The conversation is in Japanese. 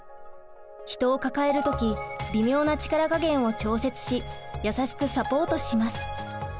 人を抱える時微妙な力加減を調節し優しくサポートします。